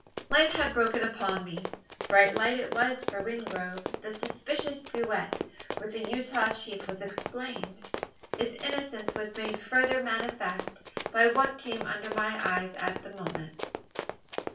Light had broken upon me bright light it was for Wingrove! The suspicious duetto with the Utah chief was explained. Its innocence was made further manifest, by what came under my eyes at the moment.